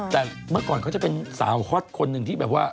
แต่เมื่อก่อนเขาจะเป็นสาวฮอตคนหนึ่งที่แบบว่า